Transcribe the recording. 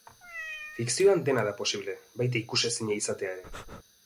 Fikzioan dena da posible, baita ikusezina izatea ere.